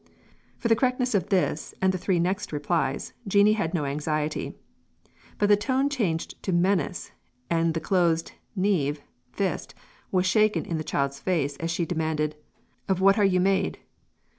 For the correctness of this and the three next replies, Jeanie had no anxiety; but the tone changed to menace, and the closed nieve (fist) was shaken in the child's face as she demanded, "Of what are you made?"